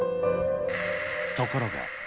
ところが。